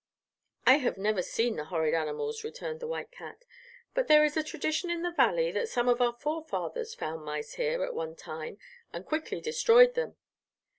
"I have never seen the horrid animals," returned the white cat; "but there is a tradition in the Valley that some of our forefathers found mice here at one time and quickly destroyed them.